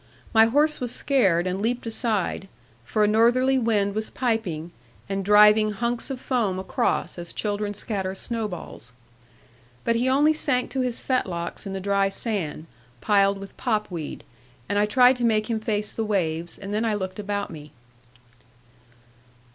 My horse was scared, and leaped aside; for a northerly wind was piping, and driving hunks of foam across, as children scatter snow balls. But he only sank to his fetlocks in the dry sand, piled with pop weed: and I tried to make him face the waves; and then I looked about me.